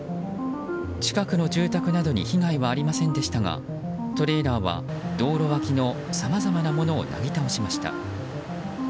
近くの住宅などに被害はありませんでしたがトレーラーは道路脇のさまざまなものをなぎ倒しました。